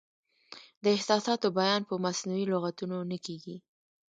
د احساساتو بیان په مصنوعي لغتونو نه کیږي.